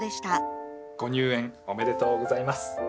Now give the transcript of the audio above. ご入園おめでとうございます。